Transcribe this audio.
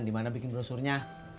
dimana bikin brosurnya